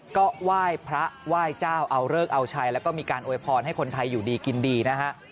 ก็ไหว้พระไหว้เจ้าเอาเลิกเอาชัยแล้วก็มีการโวยพรให้คนไทยอยู่ดีกินดีนะฮะ